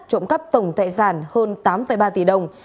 trộm cắp tổng thể sản hơn tám ba tỷ đồng